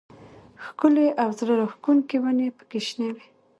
ښکلې او زړه راښکونکې ونې پکې شنې وې.